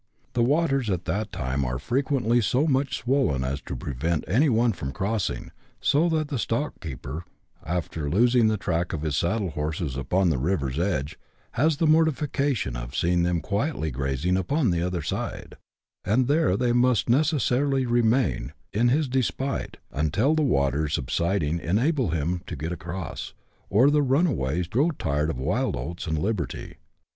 The waters at that time are frequently so much swollen as to prevent any one from crossing, so that the stockkeeper, after losing the track of his saddle horses upon the river's edge, has the mortification of seeing them quietly grazing upon the other side ; and there they must necessarily remain, in JT 9 132 BUSH LIFE IN AUSTRALIA. [chap. xii. his despite, until the waters subsiding enable him to get across, or the runaways grow tired of wild oats and liberty.